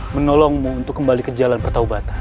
menolongmu untuk kembali ke jalan pertaubatan